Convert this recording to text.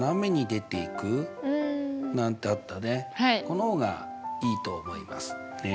この方がいいと思いますね。